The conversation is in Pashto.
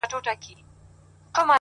o يې ياره شرموه مي مه ته هرڅه لرې ياره؛